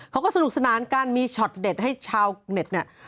เขาก็สนุกสนานกันมีช็อตเด็ดให้ชาวเน็ตเนี่ย